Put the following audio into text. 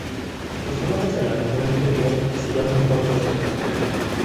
Los números en la figura inferior se llaman "códigos de frontera".